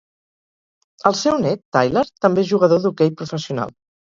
El seu net, Tyler, també és jugador d'hoquei professional.